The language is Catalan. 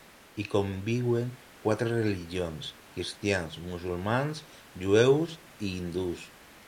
Hi conviuen quatre religions: cristians, musulmans, jueus i hindús.